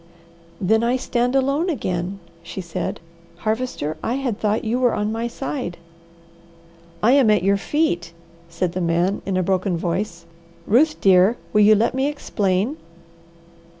"Then I stand alone again," she said. "Harvester, I had thought you were on my side." "I am at your feet," said the man in a broken voice. "Ruth dear, will you let me explain?"